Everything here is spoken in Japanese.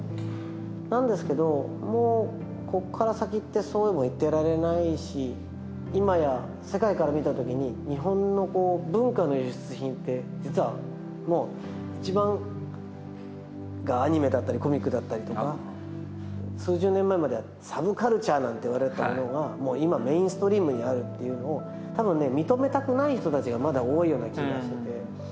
なんですけどもうここから先ってそうも言ってられないし今や世界から見たときに日本の文化の輸出品って実はもう一番がアニメだったりコミックだったりとか数十年前まではサブカルチャーなんて言われてたものがもう今メインストリームにあるっていうのをたぶんね認めたくない人たちがまだ多いような気がしてて。